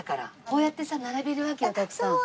こうやってさ並べるわけよたくさん。